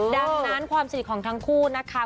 ดังนั้นความสนิทของทั้งคู่นะคะ